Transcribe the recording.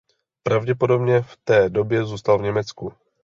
Pravděpodobně v té době zůstal v Německu.